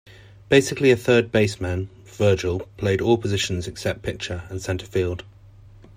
Basically a third baseman, Virgil played all positions except pitcher and center field.